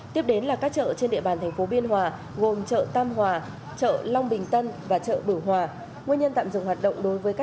tiếp đến là các chợ trên địa bàn thành phố biên hòa gồm chợ tam hòa chợ long bình tân và chợ bửu hòa